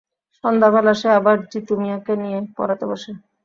সন্ধ্যাবেলা সে আবার জিতু মিয়াকে নিয়ে পড়াতে বসে।